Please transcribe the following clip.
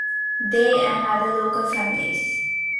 They and other local families.